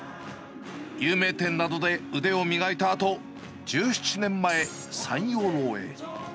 有名店などで腕を磨いたあと、１７年前、三陽楼へ。